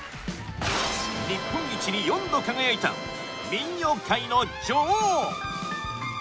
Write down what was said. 日本一に４度輝いた民謡界の女王